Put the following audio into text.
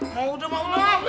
mau udah mama